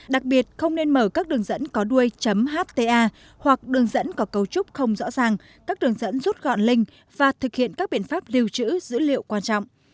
đặc biệt không nên mở các đường dẫn có đuôi hta hoặc đường dẫn có cấu trúc không rõ ràng các đường dẫn rút gọn linh và thực hiện các biện pháp lưu trữ dữ liệu quan trọng